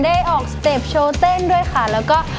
ถ้าพร้อมแล้วขอเชิญพบกับคุณลูกบาท